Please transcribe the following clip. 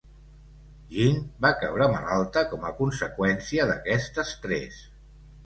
Jean va caure malalta com a conseqüència d"aquest estrès.